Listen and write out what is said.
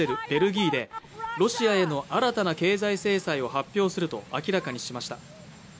ベルギーでロシアへの新たな経済制裁を発表すると明らかにしました